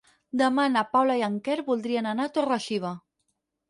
Demà na Paula i en Quer voldrien anar a Torre-xiva.